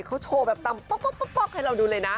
เขาโชว์แบบตำป๊อกให้เราดูเลยนะ